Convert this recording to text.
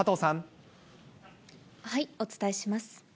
お伝えします。